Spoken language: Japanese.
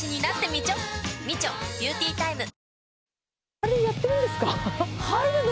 あれでやってるんですか？